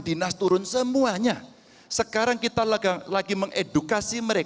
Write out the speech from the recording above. dinasturun semuanya sekarang kita lageng lagi mengek broader